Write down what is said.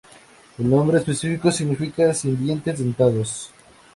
El nombre específico significa "sin dientes dentados".